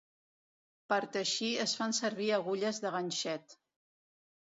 Per teixir es fan servir agulles de ganxet.